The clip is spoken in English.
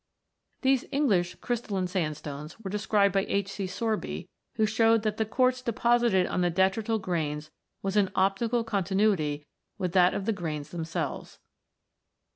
These English "crystalline sandstones" were described by H. C. Sorbycss), who showed that the quartz deposited on the detrital grains was in optical continuity with that of the grains themselves.